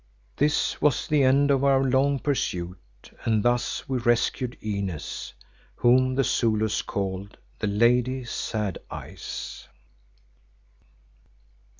This was the end of our long pursuit, and thus we rescued Inez, whom the Zulus called the Lady Sad Eyes.